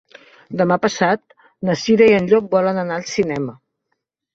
Demà passat na Cira i en Llop volen anar al cinema.